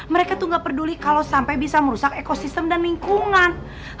mereka tuh gak peduli kalau sampai bisa merusak ekosistem dan lingkungan